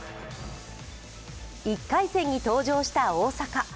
１回戦に登場した大坂。